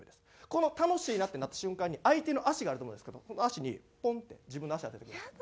この「楽しいな」ってなった瞬間に相手の足があると思うんですけど足にポンって自分の足当ててください。